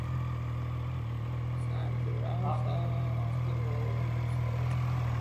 The brothers also appeared as session musicians on many jazz recordings.